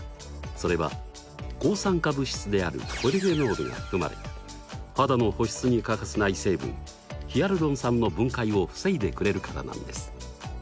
それは抗酸化物質であるポリフェノールが含まれ肌の保湿に欠かせない成分ヒアルロン酸の分解を防いでくれるからなんです。